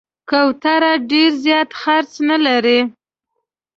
کوتره ډېر زیات خرڅ نه لري.